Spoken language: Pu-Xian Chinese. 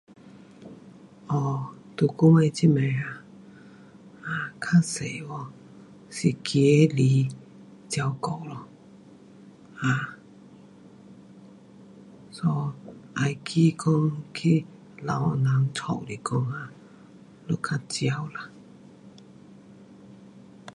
um 在我们这边啊，um 较多啊是儿来照顾咯。[um]so 要去讲去老人家去顾就较少啦。